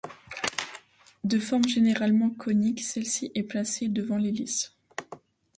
De forme généralement cônique, celle-ci est placée devant l'hélice.